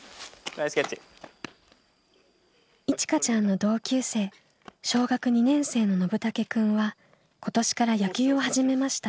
いちかちゃんの同級生小学２年生ののぶたけくんは今年から野球を始めました。